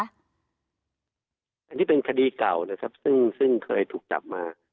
อันนี้เป็นคดีเก่านะครับซึ่งเคยถูกจับมา